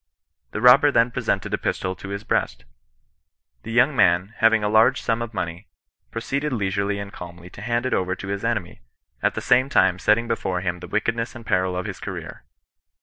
The robber (then presented a pistol to his breast. The young man, having a large sum of money, proceeded leisurely and calmly to hand it over to his enemy, at the same time setting before him the wickedness and peril of his career.